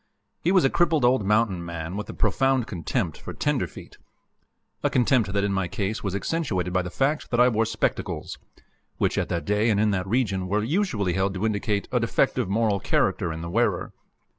He was a crippled old mountain man, with a profound contempt for "tenderfeet," a contempt that in my case was accentuated by the fact that I wore spectacles which at that day and in that region were usually held to indicate a defective moral character in the wearer.